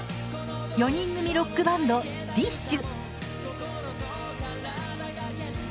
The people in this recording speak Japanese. ４人組ロックバンドＤＩＳＨ／／。